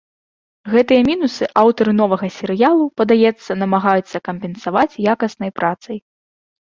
Гэтыя мінусы аўтары новага серыялу, падаецца, намагаюцца кампенсаваць якаснай працай.